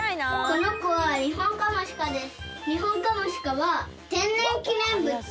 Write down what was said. このこはニホンカモシカです。